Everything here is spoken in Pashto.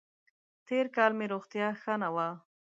تېر کال مې روغتیا ښه نه وه.